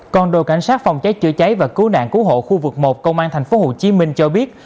còn đội cảnh sát phòng cháy chữa cháy và cứu nạn cứu hộ khu vực một công an tp hcm cho biết